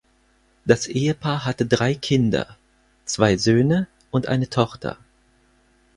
Das Ehepaar hatte drei Kinder (zwei Söhne und eine Tochter).